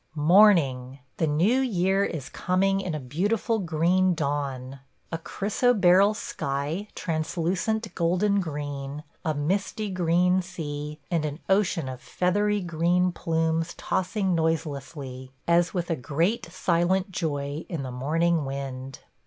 ... Morning! – The new year is coming in a beautiful green dawn. A chrysoberyl sky, translucent golden green, a misty green sea, and an ocean of feathery green plumes tossing noiselessly, as with a great silent joy, in the morning wind.